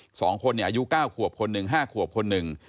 ๒คนเนี่ยอายุ๙ขวบคนหนึ่ง๕ขวบคนหนึ่ง